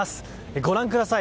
ご覧ください。